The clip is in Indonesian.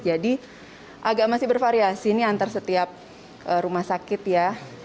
jadi agak masih bervariasi antara setiap rumah sakit ya